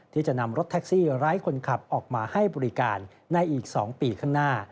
ที่จะนำรถแท็กซี่ไร้คนขับออกมาให้บริการในอีก๒ปีข้างหน้า